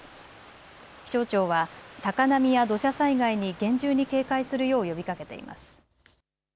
気象庁は高波や土砂災害に厳重に警戒するよう呼びかけています。